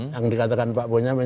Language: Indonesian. yang dikatakan pak boyamin